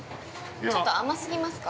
ちょっと甘すぎますか？